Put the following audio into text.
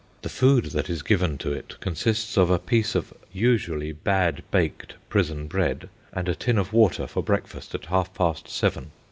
The food that is given to it consists of a piece of usually bad baked prison bread and a tin of water for breakfast at half past seven.